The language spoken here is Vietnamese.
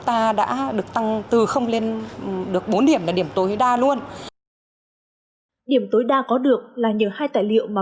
ta đã được tăng từ lên được bốn điểm là điểm tối đa luôn điểm tối đa có được là nhờ hai tài liệu mà